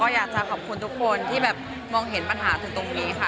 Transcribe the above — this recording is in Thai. อยากจะขอบคุณทุกคนที่แบบมองเห็นปัญหาถึงตรงนี้ค่ะ